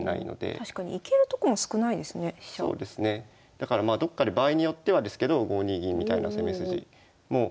だからまあどっかで場合によってはですけど５二銀みたいな攻め筋もおおお。